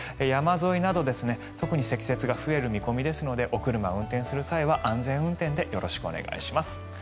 山沿いなど特に積雪が増える見込みですのでお車を運転する際は安全運転でよろしくお願いします。